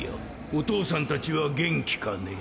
お父さん達は元気かね？